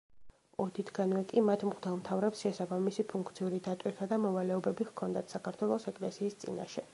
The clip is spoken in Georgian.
ოდითგანვე კი მათ მღვდელმთავრებს შესაბამისი ფუნქციური დატვირთვა და მოვალეობები ჰქონდათ საქართველოს ეკლესიის წინაშე.